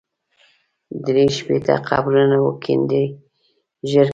درې شپېته قبرونه وکېندئ ژر کړئ.